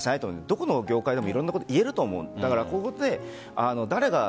どこの業界でもいろんなことがいえると思う。